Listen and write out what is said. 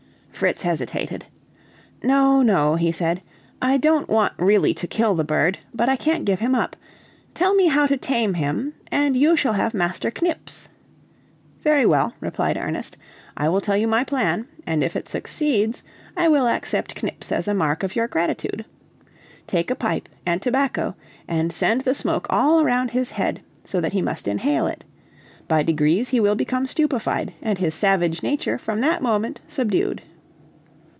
Fritz hesitated. "No, no," he said, "I don't want really to kill the bird, but I can't give him up; tell me how to tame him, and you shall have Master Knips." "Very well," replied Ernest, "I will tell you my plan, and if it succeeds, I will accept Knips as a mark of your gratitude. Take a pipe and tobacco, and send the smoke all around his head, so that he must inhale it; by degrees he will become stupefied, and his savage nature from that moment subdued."